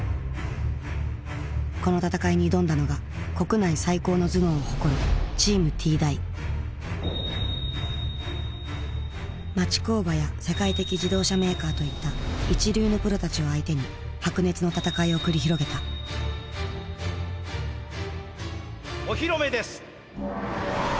この戦いに挑んだのが国内最高の頭脳を誇るチームＴ大町工場や世界的自動車メーカーといった一流のプロたちを相手に白熱の戦いを繰り広げたお披露目です。